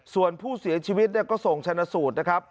ส่วนผู้เสียชีวิตก็ส่งชนะสูตรนะครับ